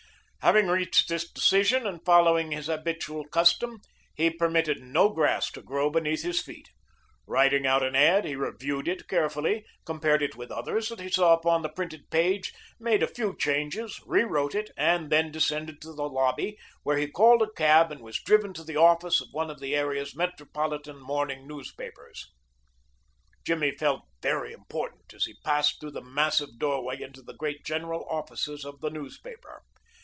Having reached this decision, and following his habitual custom, he permitted no grass to grow beneath his feet. Writing out an ad, he reviewed it carefully, compared it with others that he saw upon the printed page, made a few changes, rewrote it, and then descended to the lobby, where he called a cab and was driven to the office of one of the area's metropolitan morning newspapers. Jimmy felt very important as he passed through the massive doorway into the great general offices of the newspaper.